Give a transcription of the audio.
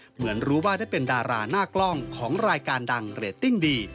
เหมือนรู้ว่าได้เป็นดาราหน้ากล้องของรายการดังเรตติ้งดี